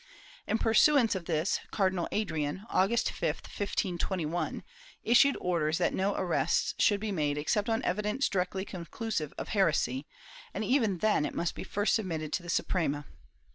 In pursuance of this Cardinal Adrian, August 5, 1521, issued orders that no arrests should be made except on evidence directly conclusive of heresy, and even then it must first be submitted to the Suprema.